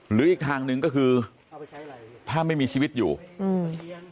หรืออีกทางหนึ่งก็คือถ้าไม่มีชีวิตอยู่อืม